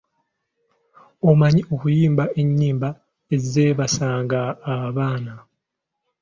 Omanyi okuyimba ennyimba ezeebasanga abaana?